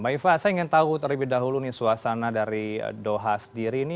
mbak iva saya ingin tahu terlebih dahulu nih suasana dari doha sendiri ini